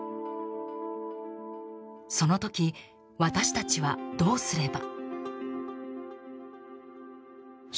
その時、私たちはどうすれば。